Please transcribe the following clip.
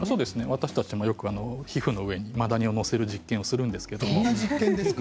私たちも皮膚の上にマダニを載せる実験をするんですね。